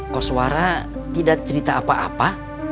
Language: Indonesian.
koswara tidak cerita apa apa